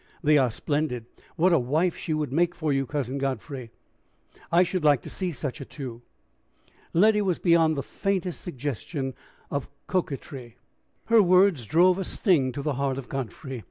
"They are splendid! What a wife she would make for you, Cousin Godfrey! I should like to see such a two." Letty was beyond the faintest suggestion of coquetry. Her words drove a sting to the heart of Godfrey.